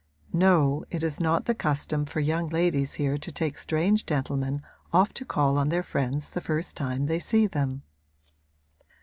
No, it is not the custom for young ladies here to take strange gentlemen off to call on their friends the first time they see them.'